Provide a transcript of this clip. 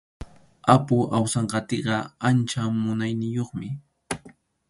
Apu Awsanqatiqa ancha munayniyuqmi.